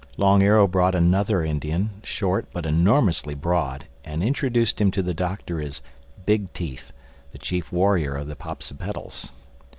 Long Arrow brought another Indian, short but enormously broad, and introduced him to the Doctor as Big Teeth, the chief warrior of the Popsipetels.